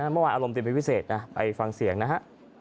เมื่อวานอารมณ์เป็นพิเศษนะไปฟังเสียงนะฮะ